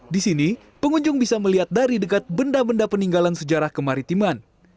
di sini pengunjung bisa melihat dari dekat benda benda peninggalan sejarah kemaritiman